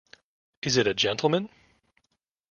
Is it a gentleman?